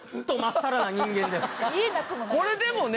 これでもね。